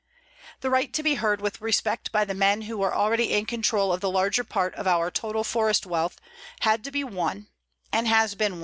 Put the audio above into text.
The right to be heard with respect by the men who were already in control of the larger part of our total forest wealth had to be won, and has been won.